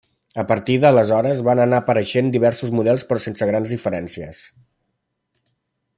A partir d'aleshores van anar apareixent diversos models però sense grans diferències.